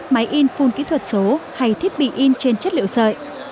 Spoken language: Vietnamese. máy in phun kỹ thuật số hay thiết bị in trên chất liệu sợi